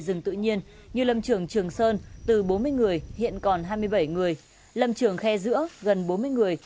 rừng tự nhiên như lâm trường trường sơn từ bốn mươi người hiện còn hai mươi bảy người lâm trường khe giữa gần bốn mươi người